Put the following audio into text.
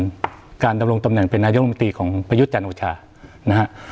กลไกในการสนับสนุนการดำรวงตำแหน่งเป็นนายองค์มิตรีของประยุทธ์จันทร์โอชา